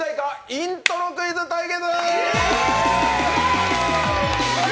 イントロクイズ対決。